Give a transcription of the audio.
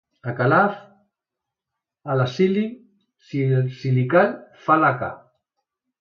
A Calaf, l'Acili, si li cal, fa laca.